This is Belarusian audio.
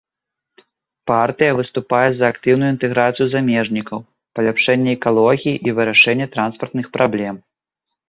Партыя выступае за актыўную інтэграцыю замежнікаў, паляпшэнне экалогіі і вырашэнне транспартных праблем.